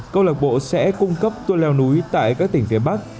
câu lạc bộ sẽ cung cấp tour leo núi tại các tỉnh phía bắc